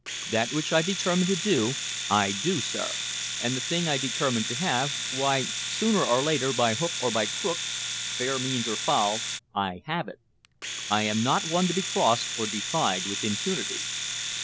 That which I determine to do, I do, sir, and the thing I determine to have, why, sooner or later, by hook or by crook, fair means or foul, I have it! I am not one to be crossed or defied with impunity."